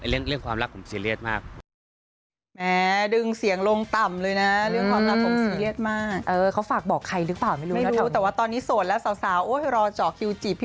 เรื่องความรักผมซีเรียสมาก